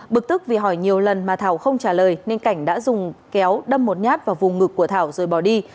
bực tức vì hỏi nhiều lần mà thảo không trả lời nên cảnh đã dùng kéo đâm một nhát vào vùng ngực của thảo rồi bỏ đi